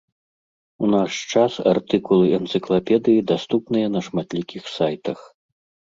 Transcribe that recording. У наш час артыкулы энцыклапедыі даступныя на шматлікіх сайтах.